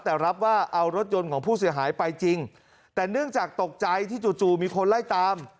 แต่รับว่าเอารถยนต์ของผู้เสียหายไปจริงแต่เนื่องจากตกใจที่จู่จู่มีคนไล่ตาม